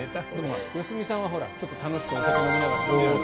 良純さんは楽しくお酒飲みながら。